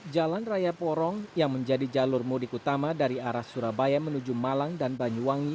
jalan raya porong yang menjadi jalur mudik utama dari arah surabaya menuju malang dan banyuwangi